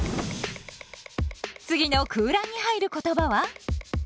次の空欄に入る言葉は？